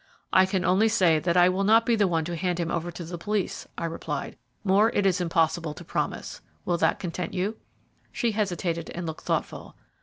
"I can only say that I will not be the one to hand him over to the police," I replied; "more it is impossible to promise. Will that content you?" She hesitated and looked thoughtful.